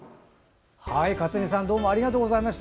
勝見さんどうもありがとうございました。